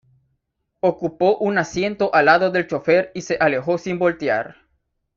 Ocupó un asiento al lado del chofer y se alejó sin voltear.